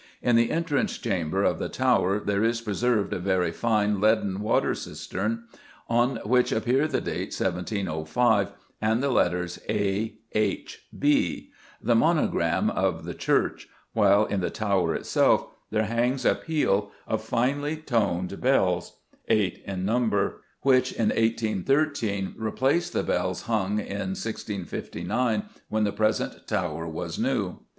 In the entrance chamber of the tower there is preserved a very fine leaden water cistern on which appear the date 1705 and the letters A·H·B, the monogram of the church, while in the tower itself there hangs a peal of finely toned bells, eight in number, which in 1813 replaced the bells hung, in 1659, when the present tower was new.